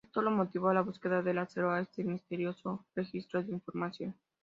Esto lo motivó a la búsqueda del acceso a este misterioso registro de información.